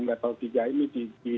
berarti kan apa namanya